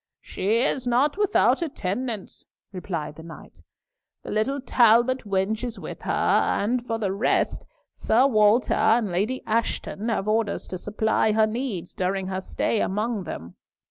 "She is not without attendance," replied the knight, "the little Talbot wench is with her, and for the rest, Sir Walter and Lady Ashton have orders to supply her needs during her stay among them.